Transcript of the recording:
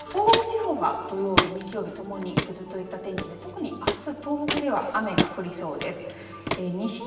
東北地方は土曜日、日曜日ともにぐずついた天気で特にあす、東北では雨が降りそうです。